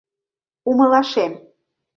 Умылашем.